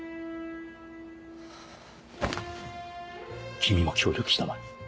君も協力したまえ。